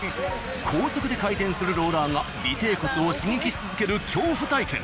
高速で回転するローラーが尾てい骨を刺激し続ける恐怖体験。